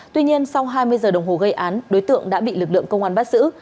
tuy nhiên sau hai mươi giờ đồng hồ gây án đối tượng đã bị lực lượng công an bắt giữ